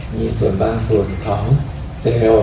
มีส่วนบางส่วนของเซเมล